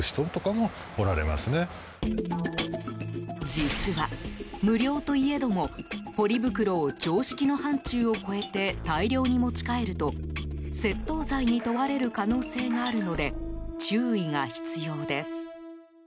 実は、無料といえどもポリ袋を常識の範疇を超えて大量に持ち帰ると窃盗罪に問われる可能性があるので注意が必要です。